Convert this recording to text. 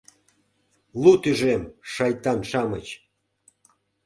— Лу тӱжем шайтан-шамыч!